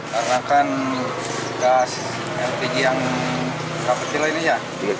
karena kan gas lpg yang berapa kilo ini ya